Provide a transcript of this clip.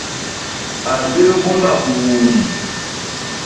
A mbép buñga buumm.